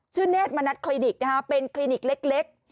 ชื่อเนธมณัฐคลินิกเป็นคลินิกเล็ก